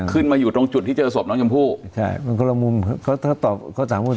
ขึ้นมาอยู่ตรงจุดที่เจอศพน้องชมพู่ใช่เขาตอบเขาสามมุม